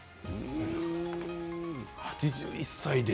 ８１歳で。